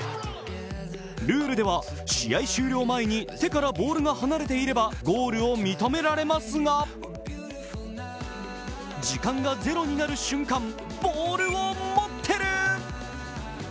ルールでは、試合終了前に手からボールが離れていればゴールを認められますが、時間が０になる瞬間、ボールを持ってる。